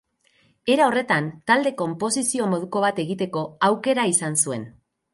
Era horretan, talde-konposizio moduko bat egiteko aukera izan zuen.